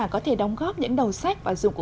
có thể đóng góp những đầu sách và dụng cụ